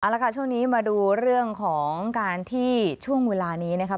ละค่ะช่วงนี้มาดูเรื่องของการที่ช่วงเวลานี้นะครับ